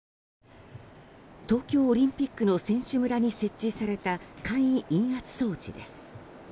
東京オリンピックの選手村に設置された簡易陰圧装置です。